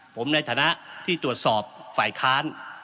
ผมในฐานะที่ตรวจสอบฝ่ายค้าน